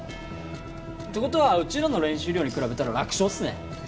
って事はうちらの練習量に比べたら楽勝っすね。